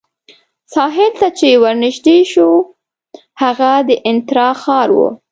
ساحل ته چې ورنژدې شوو، هغه د انترا ښار وو.